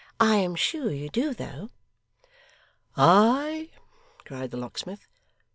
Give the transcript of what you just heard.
'I am sure you do though.' 'Ay?' cried the locksmith.